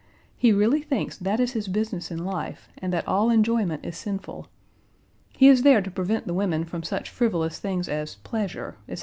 He really thinks that is his business in life and that all enjoyment is sinful. He is there to prevent the women from such frivolous things as pleasure, etc.